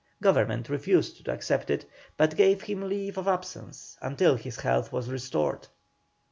Government refused to accept it, but gave him leave of absence until his health was restored.